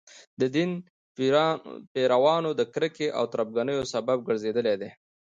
د دین پیروانو د کرکې او تربګنیو سبب ګرځېدلي دي.